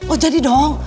oh jadi dong